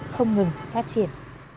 không ngừng phát triển